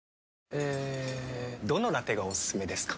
えどのラテがおすすめですか？